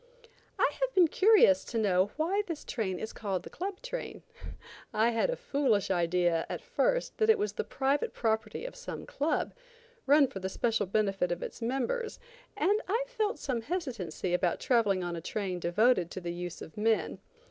I have been curious to know why this train is called the Club train. I had a foolish idea at first that it was the private property of some club, run for the special benefit of its members, and I felt some hesitancy about traveling on a train devoted to the use of men.